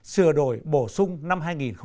sửa đổi bổ sung năm hai nghìn một mươi bảy